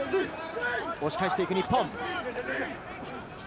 押し返していく日本。